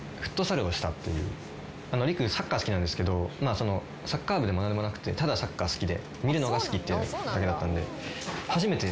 サッカー好きなんですけどサッカー部でも何でもなくてただサッカー好きで見るのが好きっていうだけだったんで。